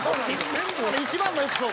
一番のエピソード。